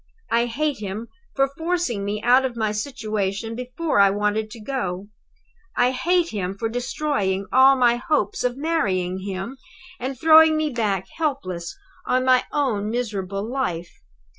I hate him for forcing me out of my situation before I wanted to go. I hate him for destroying all my hopes of marrying him, and throwing me back helpless on my own miserable life.